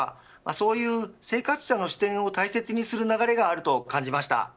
そういう生活者の視点を大切にする流れがあると感じました。